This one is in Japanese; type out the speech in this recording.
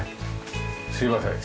すいません。